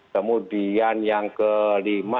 kemudian yang kelima